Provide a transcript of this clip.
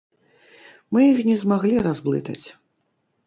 Мы іх не змаглі разблытаць.